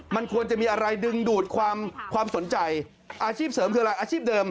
มันควรจะมีอะไรดึงดูดความสนใจอาชีพเสริมคืออะไรอาชีพเดิม